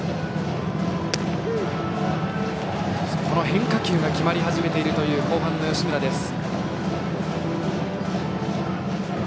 変化球が決まり始めている後半の吉村です。